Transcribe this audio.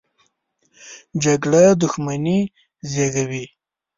جګړه دښمني زېږوي